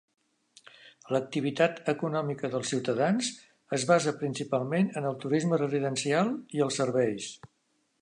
L'activitat econòmica dels ciutadans es basa principalment en el turisme residencial i els serveis.